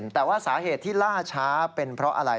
แต่ว่าสาเหตุที่ล่าช้าเป็นเพราะอะไร